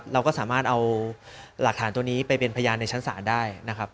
เราก็สามารถเอาหลักฐานตัวนี้ไปเป็นพยานในชั้นศาลได้นะครับ